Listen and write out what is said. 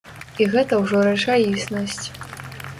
І гэта ўжо рэчаіснасць.